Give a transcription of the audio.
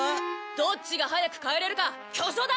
どっちが早く帰れるかきょうそうだ！